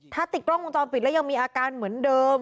ถ้าติดกล้องวงจรปิดแล้วยังมีอาการเหมือนเดิม